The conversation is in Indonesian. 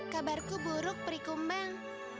kabarku buruk prikum bang